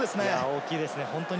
大きいですね。